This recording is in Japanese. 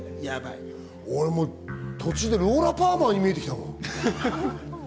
俺、途中でローラ・パーマーに見えてきたもん。